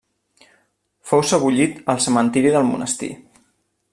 Fou sebollit al cementiri del monestir.